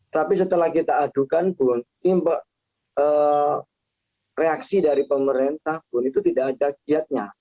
tapi setelah kita adukan pun reaksi dari pemerintah pun itu tidak ada giatnya